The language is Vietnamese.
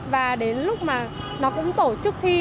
và đến lúc mà nó cũng tổ chức thi